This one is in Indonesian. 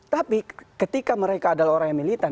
tapi ketika mereka adalah orang yang militan